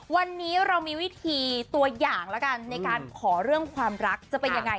วันนี้เรามีวิธีตัวอย่างแล้วกันในการขอเรื่องความรักจะเป็นยังไง